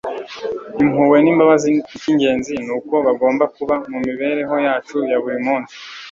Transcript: impuhwe n'imbabazi icy'ingenzi ni uko bagomba kuba mu mibereho yacu ya buri munsi